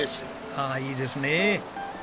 ああいいですね！